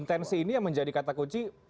intensi ini yang menjadi kata kunci